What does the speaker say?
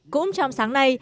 cũng trong sáng nay